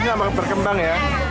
kpn nya akan berkembang ya